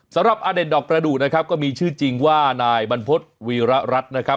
สำหรับอเด็ดดอกประดูกนะครับก็มีชื่อจริงว่านายบรรพฤษวีรรัฐนะครับ